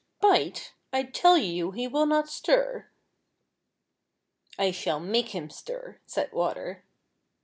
" Bite 1 I tell you he will not stir." *' I shall make him stir," said Water.